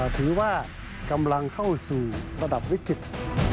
ถือว่ากำลังเข้าสู่ระดับวิกฤต